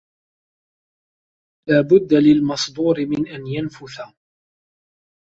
لا بد للمصدور من أن ينفث